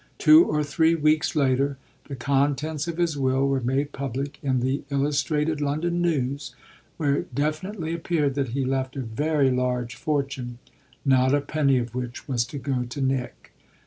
Two or three weeks later the contents of his will were made public in the Illustrated London News, where it definitely appeared that he left a very large fortune, not a penny of which was to go to Nick.